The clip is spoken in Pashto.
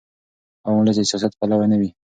عام ولس د سیاست پلوی نه وي.